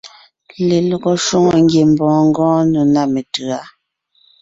Lelɔgɔ shwòŋo ngiembɔɔn ngɔɔn nò ná metʉ̌a.